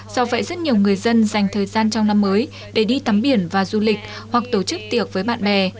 do vậy rất nhiều người dân dành thời gian trong năm mới để đi tắm biển và du lịch hoặc tổ chức tiệc với bạn bè